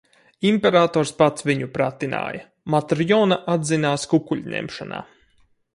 Imperators pats viņu pratināja, Matrjona atzinās kukuļņemšanā.